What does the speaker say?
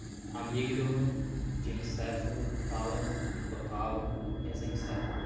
amigdala, diencéfalo, tálamo, hipotálamo, mesencéfalo